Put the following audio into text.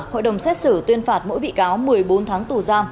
hội đồng xét xử tuyên phạt mỗi bị cáo một mươi bốn tháng tù giam